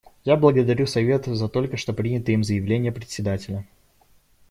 Я благодарю Совет за только что принятое им заявление Председателя.